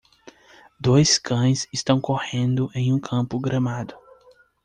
Dois cães estão correndo em um campo gramado.